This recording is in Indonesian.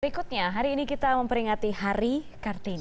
berikutnya hari ini kita memperingati hari kartini